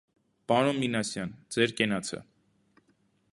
- Պարոն Մինասյան, ձեր կենացը: